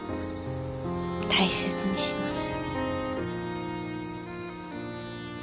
大切にします。